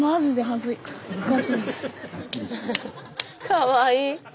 かわいい。